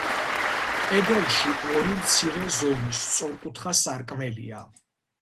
კედელში ორი მცირე ზომის სწორკუთხა სარკმელია.